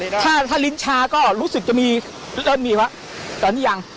ถ้าถ้าลิ้นชาก็รู้สึกจะมีเริ่มมีวะตอนนี้ยัง